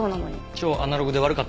超アナログで悪かったね。